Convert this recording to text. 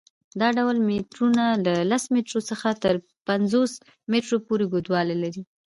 دا ډول میټرونه له لس میټرو څخه تر پنځوس میټرو پورې اوږدوالی لري.